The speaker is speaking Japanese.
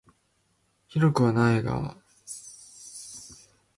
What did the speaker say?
広くはないが瀟洒とした心持ち好く日の当たる所だ